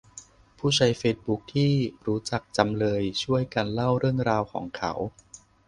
ผู้ใช้เฟซบุ๊กที่รู้จักจำเลย ช่วยกันเล่าเรื่องราวของเขา